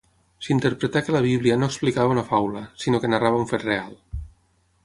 S'interpretà que la Bíblia no explicava una faula, sinó que narrava un fet real.